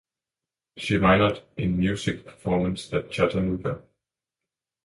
She minored in music performance at Chattanooga.